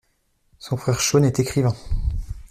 Son frère Shaun est écrivain.